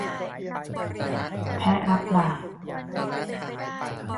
แพะรับบาป